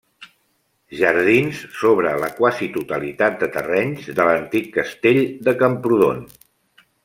Jardins sobre la quasi totalitat de terrenys de l'antic Castell de Camprodon.